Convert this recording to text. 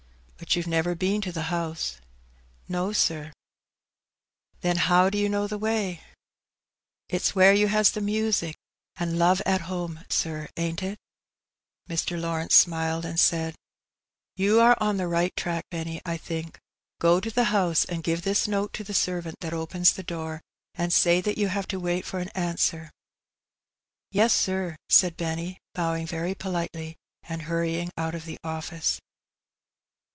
" But you've never been to the house ?" "No, sir." L 2 148 He It Benny. " Then how do you know the way ?" ^'It's where you has the music an' ^love at home/ tdr^ ain't it ?" Mr. Lawrence smiled and said —^' You are on the right track, Benny, I think. Gro to the house, and give this note to the servant that opens the door, and say that you have to wait for an answer.'' " Yes, sir," said Benny, bowing very politely, and hurry ing out of the office.